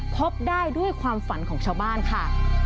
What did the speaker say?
พบได้ด้วยความฝันของชาวบ้านค่ะ